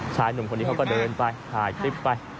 ชายหนุ่มคนนี้เขาก็เดินไปหายติดไป